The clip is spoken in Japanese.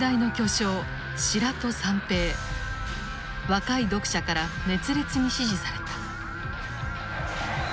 若い読者から熱烈に支持された。